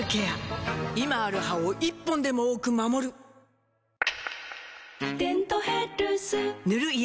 今ある歯を１本でも多く守る「デントヘルス」塗る医薬品も